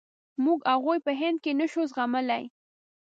موږ هغوی په هند کې نشو زغملای.